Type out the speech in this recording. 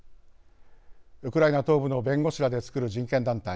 ウクライナ東部の弁護士らでつくる人権団体